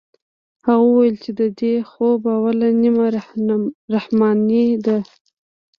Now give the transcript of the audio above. هغه وويل چې د دې خوب اوله نيمه رحماني ده.